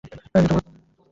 আমার বাবা ভেতরে।